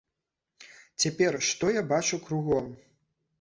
Цяпер, што бачу я кругом?